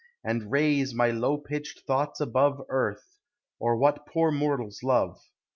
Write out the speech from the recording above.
And raise my low pitched thoughts above Earth, or what poor mortals love.